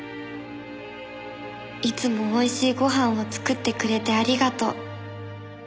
「いつも美味しいご飯を作ってくれてありがとう」